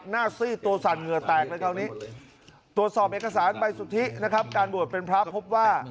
ซีดตัวสั่นเหงื่อแตกเลยคราวนี้ตรวจสอบเอกสารใบสุทธินะครับการบวชเป็นพระพบว่า